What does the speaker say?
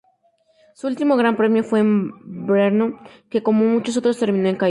Su último Gran Premio fue en Brno, que como muchos otros, terminó en caída.